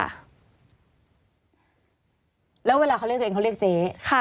แล้วเวลาเขาเรียกตัวเองเขาเรียกเจ๊